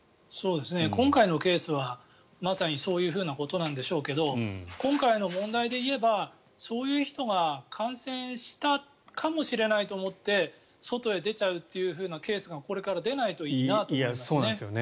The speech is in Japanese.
今回のケースはまさにそういうふうなことなんでしょうけど今回の問題で言えばそういう人が感染したかもしれないと思って外へ出ちゃうというケースがこれから出ないといいなと思いますね。